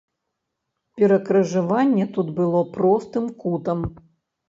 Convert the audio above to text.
Перакрыжаванне тут было простым кутам.